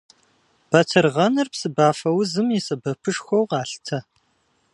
Батыргъэныр псыбафэузым и сэбэпышхуэу къалъытэ.